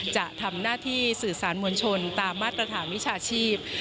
จะทำหน้าที่สื่อสารมวลชนตามมาตรฐานวิชาชีพ